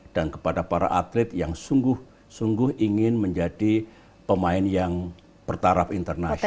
dan kepada para atlet yang sungguh sungguh ingin menjadi pemain yang bertarap internasional